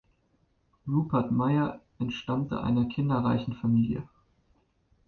Rupert Mayer entstammte einer kinderreichen Familie.